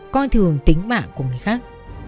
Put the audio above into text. coi thường tính mạng của người khác